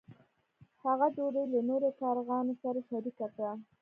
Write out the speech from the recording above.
هغه ډوډۍ له نورو کارغانو سره شریکه کړه.